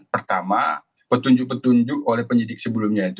pertama petunjuk petunjuk oleh penyidik sebelumnya itu